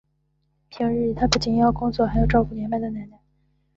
平日里他不仅要工作还要照顾年迈的奶奶。